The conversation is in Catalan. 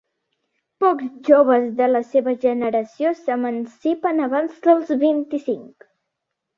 Pocs joves de la seva generació s'emancipen abans dels vint-i-cinc.